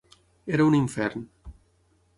Era un infern.